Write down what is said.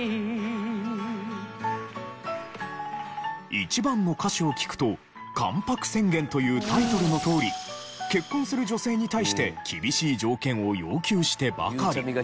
１番の歌詞を聴くと『関白宣言』というタイトルのとおり結婚する女性に対して厳しい条件を要求してばかり。